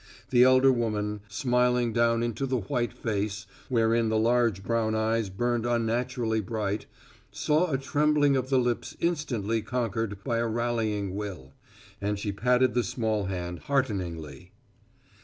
The elder woman, smiling down into the white face, wherein the large brown eyes burned unnaturally bright, saw a trembling of the lips instantly conquered by a rallying will, and she patted the small hand hearteningly.